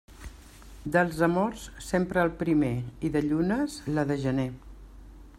Dels amors, sempre el primer, i de llunes, la de gener.